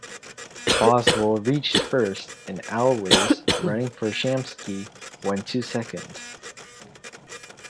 Boswell reached first and Al Weis, running for Shamsky, went to second.